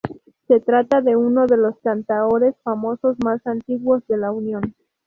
Se trata de uno de los cantaores famosos más antiguos de La Unión.